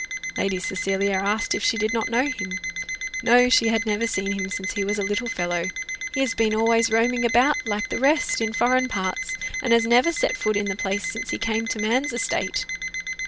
Lady Cecilia asked if she did not know him? No, she had never seen him since he was a little fellow: "he has been always roaming about, like the rest, in foreign parts, and has never set foot in the place since he came to man's estate."